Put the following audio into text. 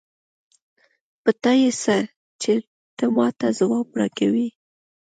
په تا يې څه؛ چې ته ما ته ځواب راکوې.